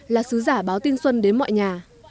là sứ giả báo tin xuân đến mọi nhà